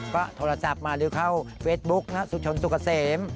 ก็โทรศัพท์มาหรือเข้าเฟซบุ๊กณสุชนสุกเกษม